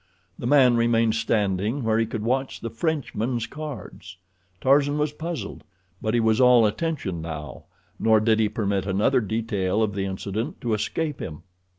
The man remained standing where he could watch the Frenchman's cards. Tarzan was puzzled, but he was all attention now, nor did he permit another detail of the incident to escape him.